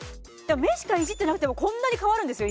目しかいじってなくてもこんなに変わるんですよ